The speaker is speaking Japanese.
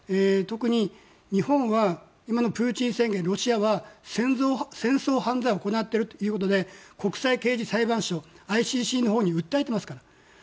特に日本は今のプーチン政権、ロシアは戦争犯罪を行っているということで国際刑事裁判所・ＩＣＣのほうに訴えてますから。